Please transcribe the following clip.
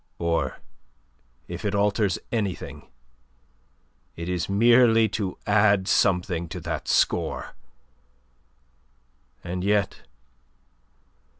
Or, if it alters anything, it is merely to add something to that score. And yet...